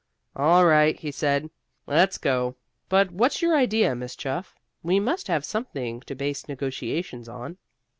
"All right," he said. "Let's go. But what's your idea, Miss Chuff? We must have something to base negotiations on."